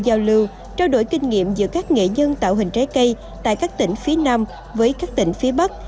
giao lưu trao đổi kinh nghiệm giữa các nghệ nhân tạo hình trái cây tại các tỉnh phía nam với các tỉnh phía bắc